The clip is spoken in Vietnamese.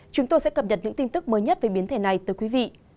chúng tôi sẽ cập nhật những tin tức mới nhất về biến thể này từ quý vị